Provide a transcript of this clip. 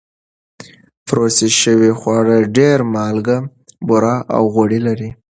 پروسس شوي خواړه ډېر مالګه، بوره او غوړي لري.